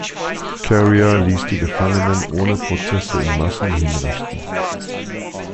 Carrier ließ die Gefangenen ohne Prozesse in Massen hinrichten.